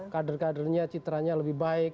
kader kadernya citranya lebih baik